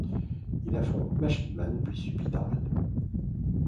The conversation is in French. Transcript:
Il affronte Machine Man, puis Spider-Man.